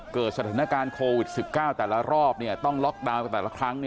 เกิดสถานการณ์โควิด๑๙แต่ละรอบต้องล็อกดาวน์กันแต่ละครั้ง